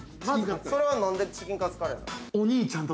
◆それは何でチキンカツカレーなん。